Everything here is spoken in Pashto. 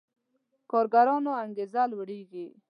کارګرانو انګېزه لوړېږي.